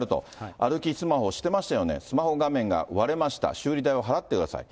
歩きスマホしてましたよね、スマホ画面が割れました、修理代を払ってください。